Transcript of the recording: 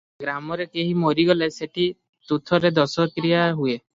ଗ୍ରାମରେ କେହି ମରିଗଲେ ସେହି ତୁଠରେ ଦଶାହକ୍ରିୟା ହୁଏ ।